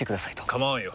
構わんよ。